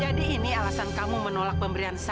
jadi ini alasan kamu menolak pemberian saya